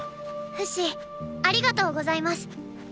フシありがとうございます！